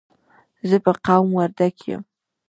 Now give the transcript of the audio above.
زه په قوم وردګ یم.